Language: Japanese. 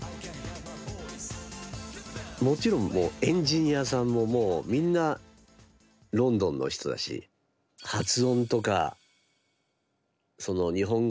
もちろんエンジニアさんももうみんなロンドンの人だし発音とかその日本語英語っぽいようなリリック。